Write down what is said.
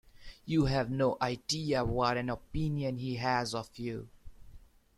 You have no idea what an opinion he has of you!